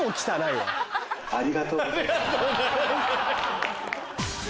ありがとうございます。